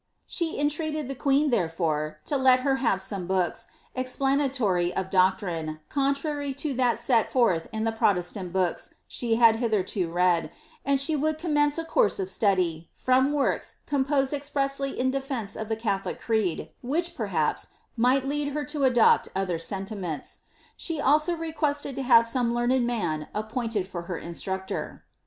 She entreated the queeOf therefore, to let her have some books, explanatory of doctrine, contrary to that set forth in the Protestant books she had hitherto read, and ah« would commence a course of study, from works composed expressly ia defence of the Ostholic creed, which, perhaps, might lead her to adopl other sentiments. She also leqnesled to have some learned man ap pointed for her instructor."